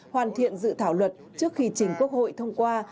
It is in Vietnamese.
hoàn thiện dự thảo luật trước khi chính quốc hội thông qua